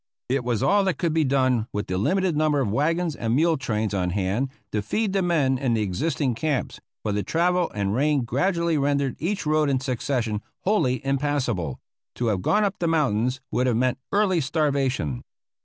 It was all that could be done, with the limited number of wagons and mule trains on hand, to feed the men in the existing camps, for the travel and the rain gradually rendered each road in succession wholly impassable. To have gone up the mountains would have meant early starvation.